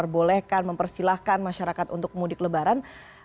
bolehkan mempersilahkan masyarakat untuk mudik lebaran